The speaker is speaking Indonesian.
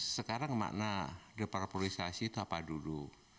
sekarang makna deparpolisasi itu apa dulu